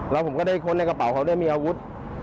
แล้วผมก็ได้ค้นในกระเป๋าเขาได้มีอาวุธ